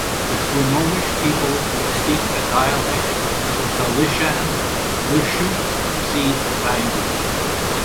The Swinomish people speak a dialect of the Salishan Lushootseed language.